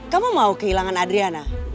kamu mau kehilangan adriana